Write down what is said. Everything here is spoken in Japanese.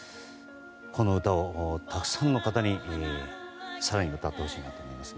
この歌をたくさんの方に、更に歌ってほしいなと思います。